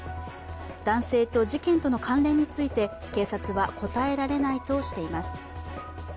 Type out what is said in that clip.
男性と事件との関連について警察は、答えられないとしています